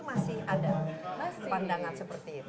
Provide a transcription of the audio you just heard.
masih ada pandangan seperti itu